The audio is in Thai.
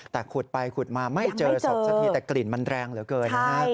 แต่ขุดไปขุดมาไม่เจอศพสักทีแต่กลิ่นมันแรงเหลือเกินนะฮะ